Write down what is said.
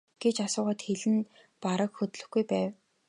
гэж асуухад хэл нь бараг хөдлөхгүй байв.